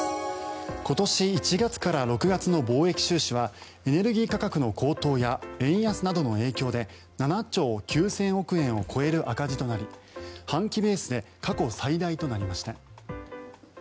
今年１月から６月の貿易収支はエネルギー価格の高騰や円安などの影響で７兆９０００億円を超える赤字となり半期ベースで過去最大となりました。